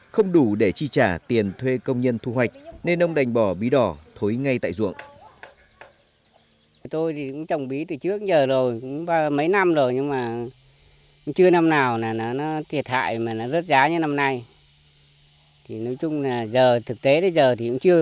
không đủ để chi trả tiền thuê công nhân thu hoạch nên ông đành bỏ bí đỏ thối ngay tại ruộng